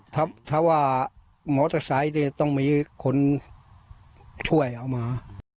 ถ้าว่าหมอสักสายเนี้ยต้องมีคนช่วยเอามา